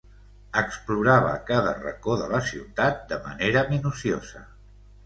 Explorava cada racó de la ciutat de manera minuciosa.